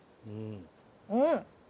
うん！